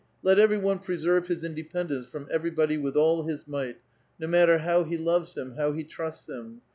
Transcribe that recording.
Let everyone presei've his independence from everybody with all his might, no matter how he loves him, how he trusts him